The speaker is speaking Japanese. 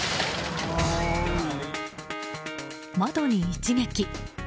窓に一撃。